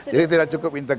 jadi tidak cukup idealis